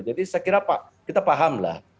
jadi saya kira pak kita paham lah